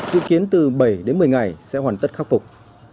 dự kiến từ bảy đến một mươi ngày sẽ hoàn tất khắc phục